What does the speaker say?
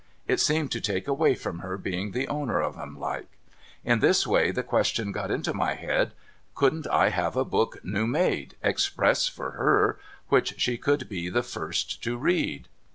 It seemed to take away from her being the owner of 'em like. In this way, the question got into my head : Couldn't I have a book new made express for her, which she should be the first to read